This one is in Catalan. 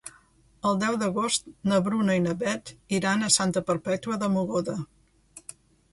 El deu d'agost na Bruna i na Beth iran a Santa Perpètua de Mogoda.